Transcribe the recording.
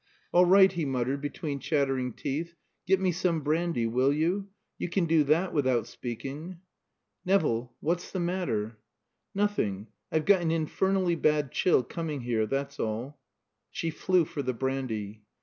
"All right," he muttered between chattering teeth. "Get me some brandy, will you? You can do that without speaking." "Nevill what's the matter?" "Nothing. I've got an infernally bad chill coming here, that's all." She flew for the brandy.